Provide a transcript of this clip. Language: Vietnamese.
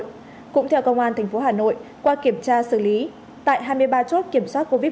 cũng theo công an thành phố hà nội qua kiểm tra xử lý tại hai mươi ba chốt kiểm soát covid một mươi chín